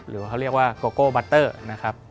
หรือว่าเขาเรียกว่าโกโก้บัตเตอร์นะครับ